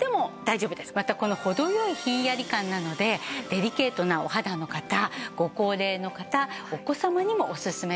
またこの程良いひんやり感なのでデリケートなお肌の方ご高齢の方お子様にもおすすめです。